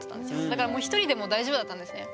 だからもう１人でも大丈夫だったんですね。